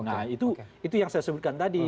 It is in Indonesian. nah itu yang saya sebutkan tadi